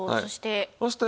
そして。